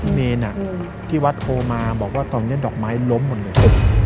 เนรที่วัดโทรมาบอกว่าตอนนี้ดอกไม้ล้มหมดเลย